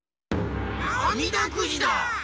あみだくじだ！